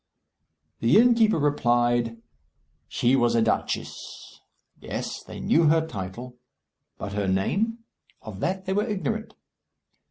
The innkeeper replied, "She was a duchess." Yes. They knew her title. But her name? Of that they were ignorant.